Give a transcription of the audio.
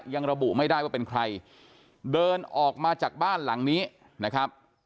ยังระบุไม่ได้ว่าเป็นใครเดินออกมาจากบ้านหลังนี้นะครับ